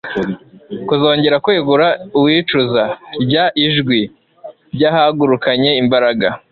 kuzongera kwegura uwicuza. Rya jwi ryahagurukanye imbaraga